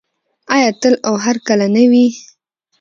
آیا تل او هرکله نه وي؟